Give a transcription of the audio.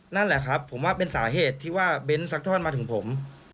นั่นแหละครับผมว่าเป็นสาเหตุที่ว่าเบ้นซักทอดมาถึงผม